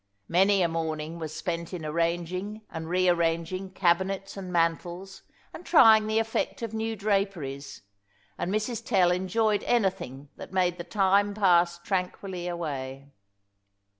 Many a morning was spent in arranging and rearranging cabinets and mantels, and trying the effect of new draperies; and Mrs. Tell enjoyed anything that made the time pass tranquilly away.